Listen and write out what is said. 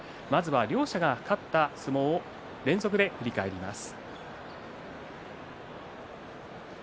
両者が勝った相撲を連続で振り返ります。